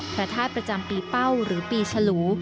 พระธาตุประจำปีเป้าหรือปีฉลู